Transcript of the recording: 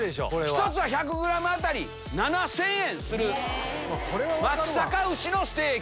１つは１００ｇ当たり７０００円する松阪牛のステーキ。